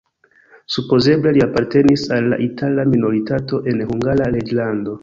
Supozeble li apartenis al la itala minoritato en Hungara reĝlando.